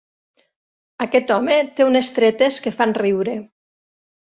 Aquest home té unes tretes que fan riure.